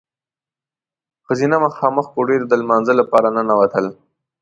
ښځینه مخامخ کوټې ته د لمانځه لپاره ننوتل.